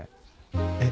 えっ？